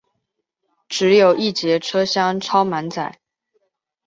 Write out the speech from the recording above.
只有一节车厢超满载